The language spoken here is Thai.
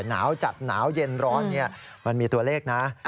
หนาวจัดหนาวเย็นร้อนมันมีตัวเลขนะ